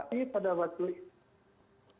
tapi pada waktu itu